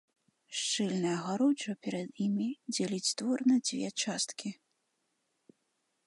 Шчыльная агароджа перад імі дзеліць двор на дзве часткі.